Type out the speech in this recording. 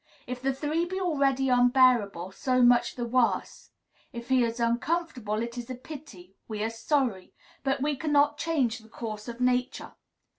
If the three be already unbearable, so much the worse. If he is uncomfortable, it is a pity; we are sorry, but we cannot change the course of Nature.